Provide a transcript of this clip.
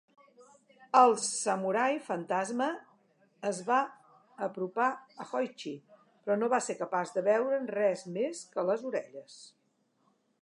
Els samurai fantasma es va apropar a Hoichi però no va ser capaç de veure'n res més que les orelles.